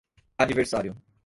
adversário